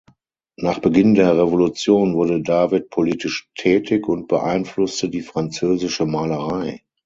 Nach Beginn der Revolution wurde David politisch tätig und beeinflusste die französische Malerei.